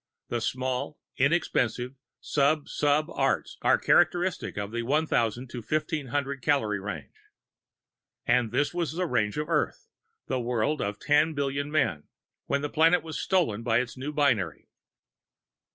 The small, inexpensive sub sub arts are characteristic of the 1,000 to 1,500 calorie range. And this was the range of Earth, the world of ten billion men, when the planet was stolen by its new binary.